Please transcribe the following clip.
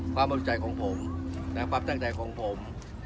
เป็นปัจจักรไทยแล้วความรับใจของผม